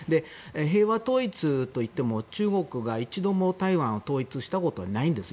平和統一といっても中国が一度も台湾を統一したことはないんです。